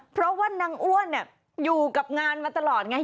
เพราะว่านางอ้วนอยู่กับงานมาตลอดไง